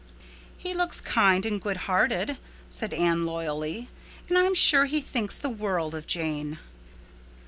"He looks kind and good hearted," said Anne loyally, "and I'm sure he thinks the world of Jane."